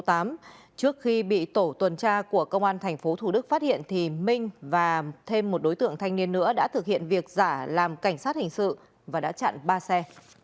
trước khi bị tổ tuần tra của công an tp thủ đức phát hiện thì minh và thêm một đối tượng thanh niên nữa đã thực hiện việc giả làm cảnh sát hình sự và đã chặn ba xe